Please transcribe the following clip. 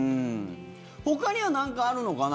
ほかには何かあるのかな